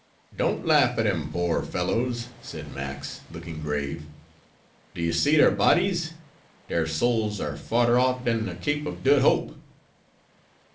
"Don't laugh at dem poor fellows," said Max, looking grave; "do' you see dar bodies, dar souls are farder off dan de Cape of Dood Hope."